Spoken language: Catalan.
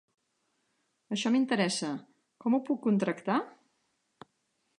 Això m'interessa, com ho puc contractar?